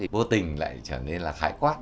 bố tình lại trở nên là khái quát